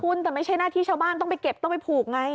คุณแต่ไม่ใช่หน้าที่ชาวบ้านต้องไปเก็บต้องไปผูกไง